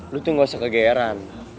lu tuh gak usah kegeeran